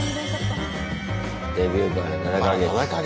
デビューから７か月。